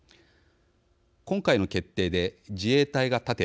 今回の決定で自衛隊が「盾」